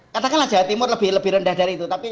katakanlah jawa timur lebih rendah dari itu